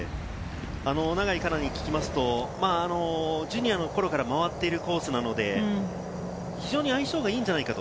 永井花奈に聞きますと、ジュニアの頃から回っているコースなので、非常に相性がいいんじゃないか。